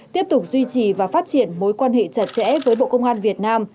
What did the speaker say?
tiếp tục duy trì và phát triển mối quan hệ chặt chẽ với bộ công an việt nam